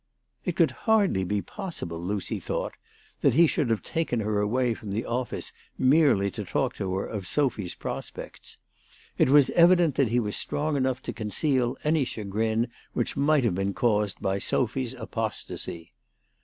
It could hardly be possible, Lucy thought, that he should have taken her away from the office merely to talk to her of Sophy's prospects. It was evident that he was strong enough to conceal any chagrin which might have been caused by Sophy's apostacy.